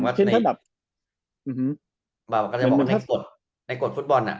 ก็จะบอกว่าในกฎฟุตบอลน่ะ